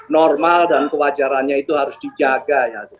normal dan kewajarannya itu harus dijaga